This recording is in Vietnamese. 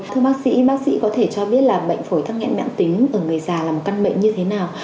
thưa bác sĩ bác sĩ có thể cho biết là bệnh phổi tắc nghẹn tính ở người già là một căn bệnh như thế nào